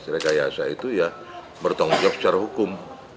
rekayasa itu ya bertanggung jawab secara hukum